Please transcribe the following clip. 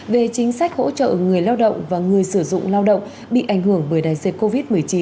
về chính sách hỗ trợ người lao động và người sử dụng lao động bị ảnh hưởng bởi đại dịch covid một mươi chín